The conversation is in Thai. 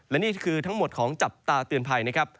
และนี่คือทั้งหมดของจับตาเตือนภัยนะครับ